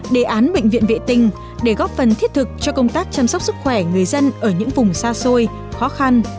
đề án bệnh viện vệ tinh để góp phần thiết thực cho công tác chăm sóc sức khỏe người dân ở những vùng xa xôi khó khăn